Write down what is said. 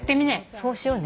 そうしようね。